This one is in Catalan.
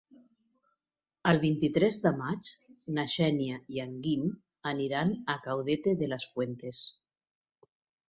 El vint-i-tres de maig na Xènia i en Guim aniran a Caudete de las Fuentes.